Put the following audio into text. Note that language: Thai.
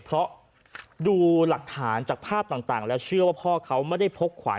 เพราะดูหลักฐานจากภาพต่างแล้วเชื่อว่าพ่อเขาไม่ได้พกขวาน